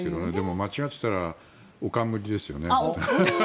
間違っていたらおかんむりですよね。